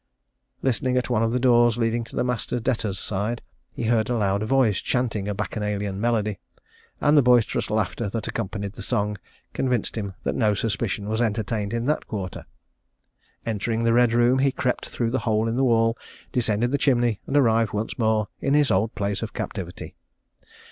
Listening at one of the doors leading to the master debtors' side, he heard a loud voice chanting a Bacchanalian melody; and the boisterous laughter that accompanied the song, convinced him that no suspicion was entertained in that quarter. Entering the Red Room, he crept through the hole in the wall, descended the chimney, and arrived once more in his old place of captivity.